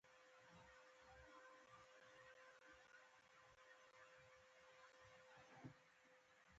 باران په افغانستان کې له اعتقاداتو سره تړاو لري.